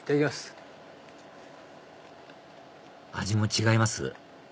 味も違います？